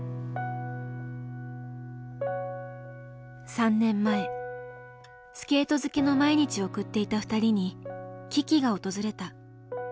３年前スケート漬けの毎日を送っていた２人に危機が訪れた。